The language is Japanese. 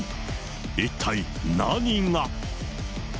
一体何が？